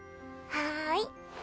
はい。